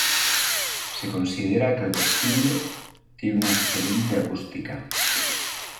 Se considera que el vestíbulo tiene una excelente acústica.